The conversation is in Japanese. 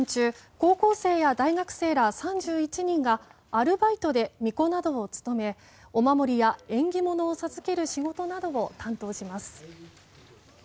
高校生や大学生ら３１人がアルバイトでみこなどを務めお守りや縁起物を授ける仕事などを担当します。